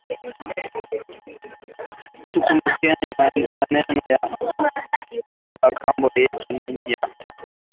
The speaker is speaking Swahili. Tukumbukeni maneno ya ba kambo yetu nju ya kurima